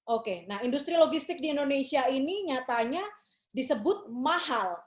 oke nah industri logistik di indonesia ini nyatanya disebut mahal